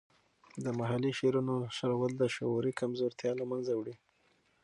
د محلي شعرونو نشرول د شعوري کمزورتیا له منځه وړي.